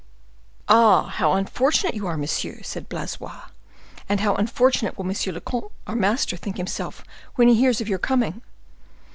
"Ah! how unfortunate you are, monsieur!" said Blaisois: "and how unfortunate will monsieur le comte, our master, think himself when he hears of your coming!